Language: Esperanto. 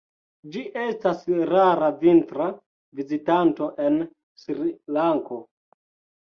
Ĝi estas rara vintra vizitanto en Srilanko.